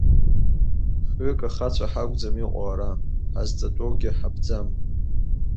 Хҩык ахацәа ҳакәӡам иҟоу ара, ҳазҵатәоугьы ҳаԥӡам.